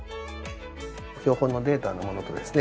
標本のデータのものとですね